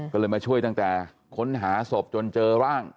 ก็เลยมาช่วยตั้งแต่ค้นหาศพจนเจอร่าง